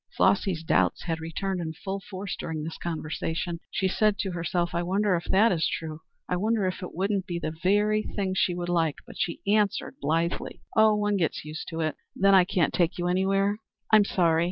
Flossy's doubts had returned in full force during the conversation. She said to herself, "I wonder if that is true? I wonder if it wouldn't be the very thing she would like?" But she answered blithely, "Oh, one gets used to it. Then I can't take you anywhere? I'm sorry.